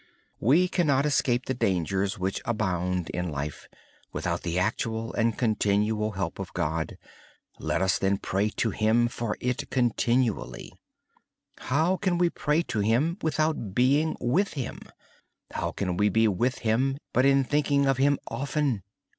We cannot escape the dangers which abound in life without the actual and continual help of God. Let us pray to Him for it constantly. How can we pray to Him without being with Him? How can we be with Him but in thinking of Him often?